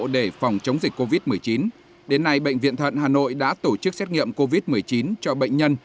để phòng chống dịch covid một mươi chín đến nay bệnh viện thận hà nội đã tổ chức xét nghiệm covid một mươi chín cho bệnh nhân